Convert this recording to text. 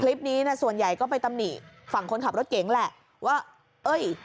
คลิปนี้น่ะส่วนใหญ่ก็ไปตำหนิฝั่งคนขับรถเก๋งแหละว่าเอ้ย